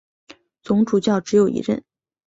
总主教只有一任。